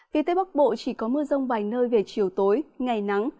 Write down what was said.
phía tây bắc bộ chỉ có mưa rông vài nơi về chiều tối ngày nắng